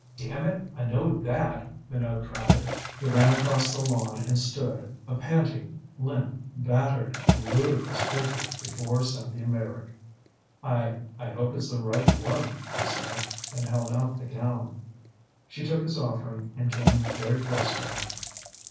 "Damn it, I know that," Minot cried. He ran across the lawn and stood, a panting, limp, battered, ludicrous figure before Cynthia Meyrick. "I I hope it's the right one," he said, and held out the gown. She took his offering, and came very close to him.